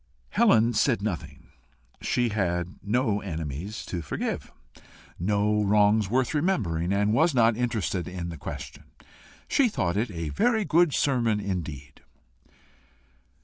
Helen said nothing. She had no enemies to forgive, no wrongs worth remembering, and was not interested in the question. She thought it a very good sermon indeed.